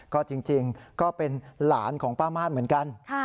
ก็จริงก็เป็นหลานของป้ามาสเหมือนกัน